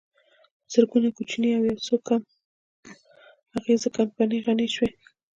زرګونه کوچنۍ او یوڅو کم اغېزه کمپنۍ غني شوې